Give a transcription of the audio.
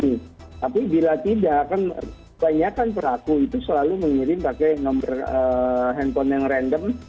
tapi bila tidak kan banyakan pelaku itu selalu mengirim pakai nomor handphone yang random